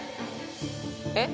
えっ？